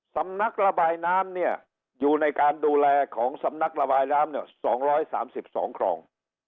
สำนักระบายน้ำเนี่ยอยู่ในการดูแลของสำนักระบายน้ำเนี่ย๒๓๒คลอง